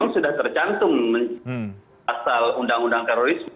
sudah tercantum asal undang undang terorisme